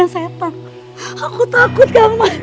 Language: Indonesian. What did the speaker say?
aku takut daman